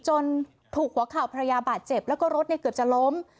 จนถูกหัวเข่าภรรยาบาดเจ็บแล้วก็รถเกือบจะล้ม